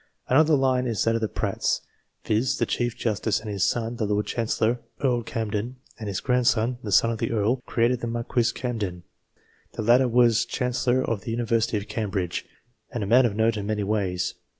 Another line is that of the Pratts, viz. the Chief Justice and his son, the Lord Chancellor, Earl Camden, and his grandson, the son of the Earl, created the Marquis Camden ; the latter was Chancellor of the University of Cambridge, and a man of note in many ways.